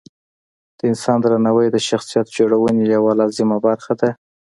د انسان درناوی د شخصیت جوړونې یوه لازمه برخه ده.